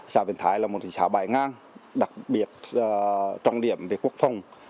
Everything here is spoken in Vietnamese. xã biển thái là một thị xã bãi ngang đặc biệt trọng điểm về quốc phòng